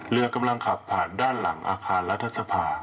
เรือกำลังขับผ่านด้านหลังอาคารรัฐสภา